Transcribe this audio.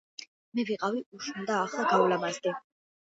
მე ვიყავი უშნო და ახლა გავლამაზდი